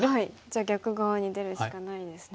じゃあ逆側に出るしかないですね。